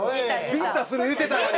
ビンタする言うてたのに。